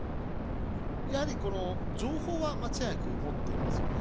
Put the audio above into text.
やはりこの情報は間違いなく持っていますよね。